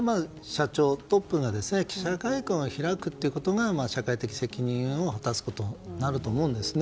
社長、トップが記者会見を開くということが社会的責任を果たすことになると思うんですね。